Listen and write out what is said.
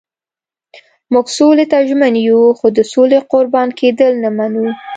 موږ سولې ته ژمن یو خو د سولې قربان کېدل نه منو.